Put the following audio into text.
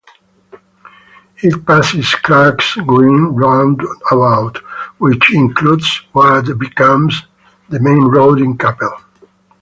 It passes Clark's Green roundabout, which includes what becomes the main road in Capel.